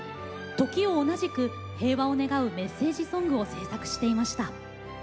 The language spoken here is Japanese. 時を同じく、平和を願うメッセージソングを制作していました。